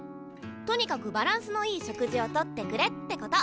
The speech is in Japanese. とにかくバランスのいい食事をとってくれってこと。